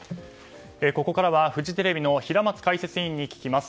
ここからはフジテレビの平松解説委員に聞きます。